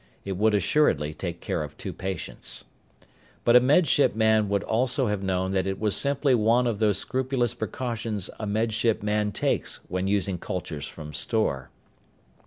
It would assuredly take care of two patients. But a Med Ship man would also have known that it was simply one of those scrupulous precautions a Med Ship man takes when using cultures from store.